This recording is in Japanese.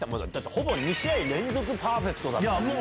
ほぼ２試合連続パーフェクトだった。